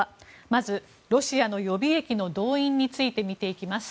まず、ロシアの予備役の動員について見ていきます。